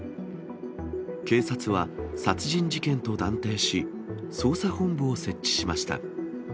警察は、殺人事件と断定し、捜査本部を設置しました。